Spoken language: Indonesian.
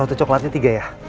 roti coklatnya tiga ya